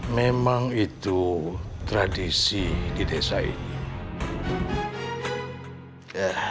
memang itu tradisi di desa ini